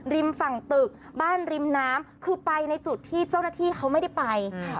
ฝั่งตึกบ้านริมน้ำคือไปในจุดที่เจ้าหน้าที่เขาไม่ได้ไป